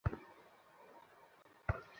আব্বে আমি তোর বাপের চাকর নাকি?